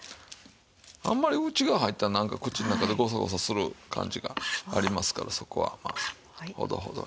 あんまり内側入ったらなんか口の中でごそごそする感じがありますからそこはまあほどほどに。